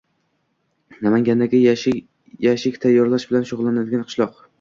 Namangandagi yashik tayyorlash bilan shug‘ullanadigan qishloq